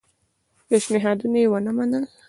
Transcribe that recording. پېشنهادونه یې ونه منل.